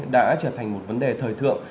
đã trở thành một vấn đề thời thượng